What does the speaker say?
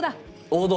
王道。